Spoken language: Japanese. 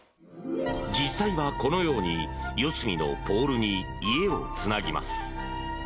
実際はこのように四隅のポールに家をつなぎます。